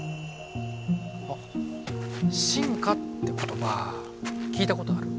あ「進化」って言葉聞いたことある？